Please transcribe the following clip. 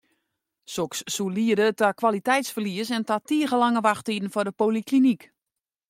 Soks soe liede ta kwaliteitsferlies en ta tige lange wachttiden foar de polyklinyk.